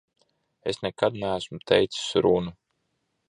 Es nekad neesmu teicis runu.